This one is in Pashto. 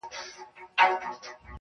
که دې د سترگو له سکروټو نه فناه واخلمه.